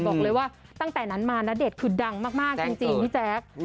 บอกเลยว่าตั้งแต่นั้นมาณเดชน์คือดังมากจริงพี่แจ๊ค